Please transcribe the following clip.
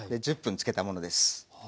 １０分つけたものです。